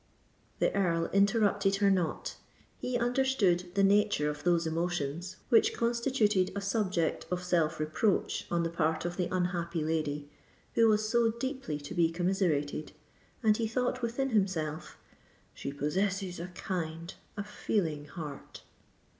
The Earl interrupted her not: he understood the nature of those emotions which constituted a subject of self reproach on the part of the unhappy lady, who was so deeply to be commiserated; and he thought within himself, "She possesses a kind—a feeling heart!"